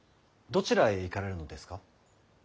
とちらへ行かれるのですか？